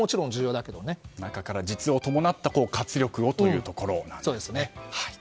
中から実を伴った活力をということですね。